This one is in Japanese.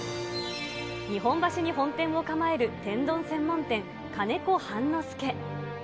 日本橋に本店を構える天丼専門店、金子半之助。